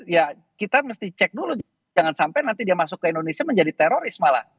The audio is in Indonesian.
ya kita mesti cek dulu jangan sampai nanti dia masuk ke indonesia menjadi teroris malah